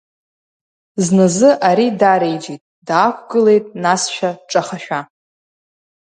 Зназы ари дареиџьит, даақәгылеит насшәа дҿахашәа.